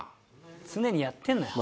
常にやってるのよ。